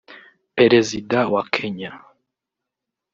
Perezida wa Kenya